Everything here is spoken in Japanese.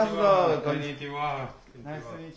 こんにちは。